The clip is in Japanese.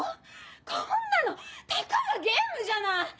こんなのたかがゲームじゃない！